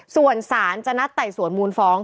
ส่วนสารจะนัดไต่สวนมูลฟ้อง